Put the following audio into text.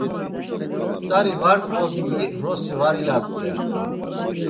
Tzari var gvobiyi vrosi var ilast̆rert̆u.